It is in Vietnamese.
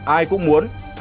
ai cũng muốn